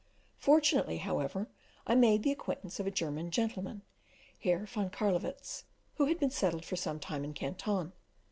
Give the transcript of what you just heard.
Fortunately, however, I made the acquaintance of a German gentleman, Herr von Carlowitz, who had been settled for some time in Canton.